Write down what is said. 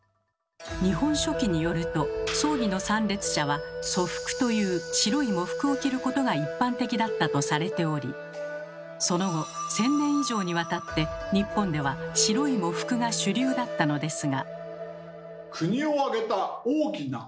「日本書紀」によると葬儀の参列者は「素服」という白い喪服を着ることが一般的だったとされておりその後１，０００年以上にわたって日本では白い喪服が主流だったのですが。